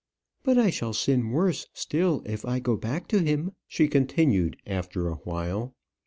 "But I shall sin worse still if I go back to him," she continued, after a while.